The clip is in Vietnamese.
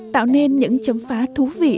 tạo nên những chấm phá thú vị